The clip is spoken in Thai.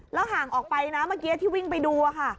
แล้วห่างออกไปเมื่อกี้ที่วิ่งไปดู